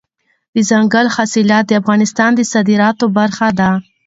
دځنګل حاصلات د افغانستان د صادراتو برخه ده.